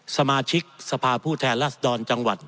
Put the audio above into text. สมาชิกสภาพผู้แทนรัศดรจังหวัด